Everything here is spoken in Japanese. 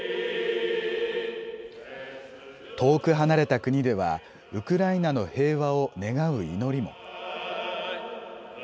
遠く離れた国ではウクライナの平和を願う祈りも。